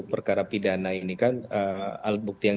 perkara pidana ini kan alat bukti yang